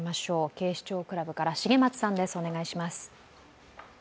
警視庁クラブから重松さんです。